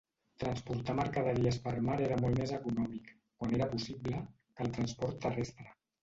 Transportar mercaderies per mar era molt més econòmic, quan era possible, que el transport terrestre.